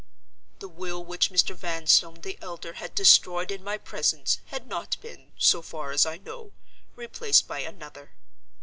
"The will which Mr. Vanstone the elder had destroyed in my presence had not been, so far as I know, replaced by another.